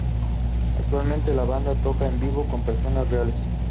Actualmente, la banda toca en vivo con personas reales.